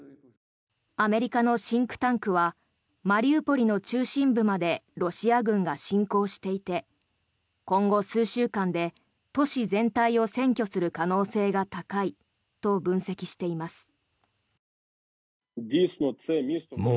アメリカのシンクタンクはマリウポリの中心部までロシア軍が侵攻していて今後数週間で都市全体を占拠する可能性が高いと分析しています。